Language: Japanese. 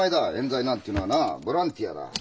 冤罪なんていうのはなボランティアだ。